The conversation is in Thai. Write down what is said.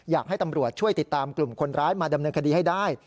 อยากให้ตำรวจช่วยติดตามกลุ่มคนร้ายมาดำเนินคดีให้ได้